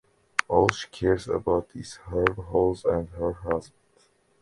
All she cares about is her house and her husband.